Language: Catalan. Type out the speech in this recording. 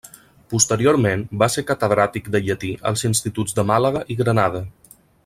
Posteriorment va ser catedràtic de llatí als instituts de Màlaga i Granada.